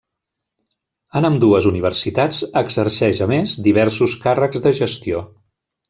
En ambdues universitats exerceix a més diversos càrrecs de gestió.